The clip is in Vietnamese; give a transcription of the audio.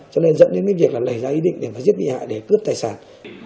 cho nên dẫn đến cái việc là lấy ra ý định để mà giết bị hại để cướp tài sản